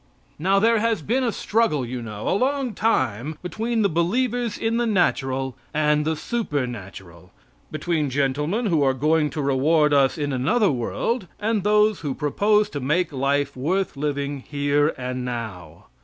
Now there has been a struggle, you know, a long time between the believers in the natural and the supernatural between gentlemen who are going to reward us in another world and those who propose to make life worth living here and now.